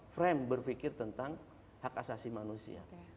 frame berpikir tentang hak asasi manusia